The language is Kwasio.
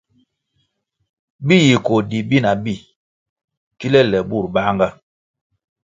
Bi yi koh di bina bi kilè lè burʼ banʼnga.